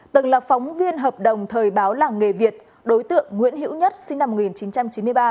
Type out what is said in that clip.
tầng lập phóng viên hợp đồng thời báo làng nghề việt đối tượng nguyễn hiễu nhất sinh năm một nghìn chín trăm chín mươi ba